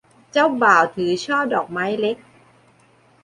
เจ้าบ่าวถือช่อดอกไม้เล็ก